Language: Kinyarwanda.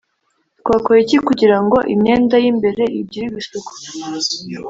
Twakora iki kugira ngo imyenda y’ imbere igirirwe isuku?